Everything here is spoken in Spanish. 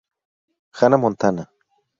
Hannah Montana.